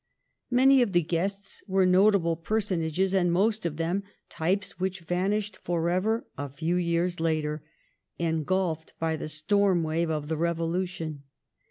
Many of the guests were notable personages, and most of them types which vanished forever a few years later — engulphed by the storm wave of the Revolution.